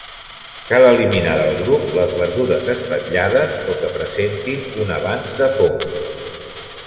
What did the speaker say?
Cal eliminar del grup les verdures espatllades o que presentin un avanç de fongs.